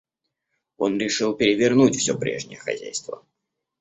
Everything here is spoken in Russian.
Он решил перевернуть всё прежнее хозяйство.